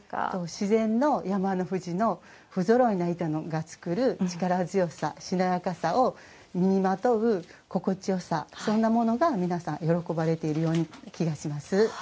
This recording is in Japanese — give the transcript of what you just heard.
自然の山の藤の不ぞろいの糸が作る力強さ、しなやかさを身にまとう心地よさそんなものが皆さん、喜ばれているような気がします。